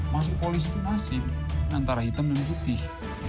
masuk polisi itu masih antara hitam dan putih